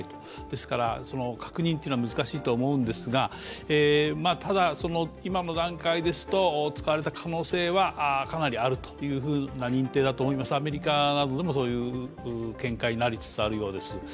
ですから、確認というのは難しいと思うんですが、ただ今の段階ですと使われた可能性はかなりあるというふうな認定だと思いますアメリカなどでも、そういう見解になりつつあるようです。